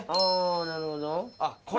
なるほど。